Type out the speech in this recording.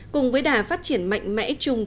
cùng với đà phát triển mạnh mẽ chung